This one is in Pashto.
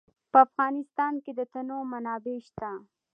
په افغانستان کې د تنوع منابع شته.